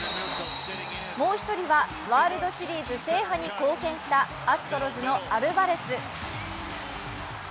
もう１人は、ワールドシリーズ制覇に貢献したアストロズのアルバレス。